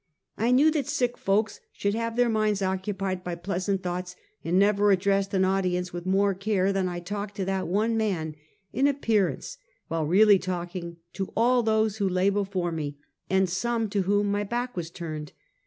I knew that sick folks should have their minds occnpied by pleasant thonghts, and never addressed an audience with more care than I talked to that one man, in appearance, while really talking to all those who lay before me and some to whom my back was turned.